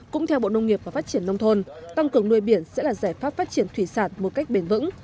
cũng theo bộ nông nghiệp và phát triển nông thôn tăng cường nuôi biển sẽ là giải pháp phát triển thủy sản một cách bền vững